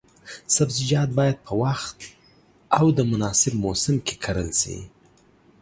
سبزیجات باید په وخت او د مناسب موسم کې کرل شي.